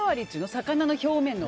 魚の表面の。